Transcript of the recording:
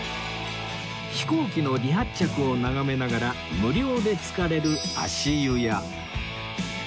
飛行機の離発着を眺めながら無料で浸かれる足湯や